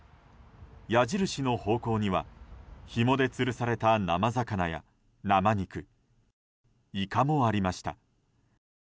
矢印の方向にはひもでつるされた生魚や生肉、イカもありました。